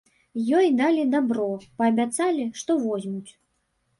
Ёй далі дабро, паабяцалі, што возьмуць.